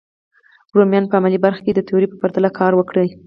رومیانو په عملي برخه کې د تیوري په پرتله کار وکړ.